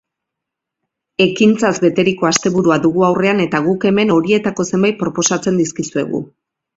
Ekintzaz beteriko asteburua dugu aurrean eta guk hemen horietako zenbait proposatzen dizkizuegu.